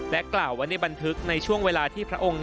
กล่าวไว้ในบันทึกในช่วงเวลาที่พระองค์